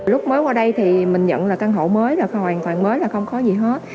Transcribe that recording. lúc mới qua đây thì mình nhận là căn hộ mới là hoàn toàn mới là không có gì hết